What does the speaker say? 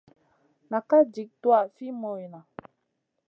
Na ka jik tuwaʼa fi moyna.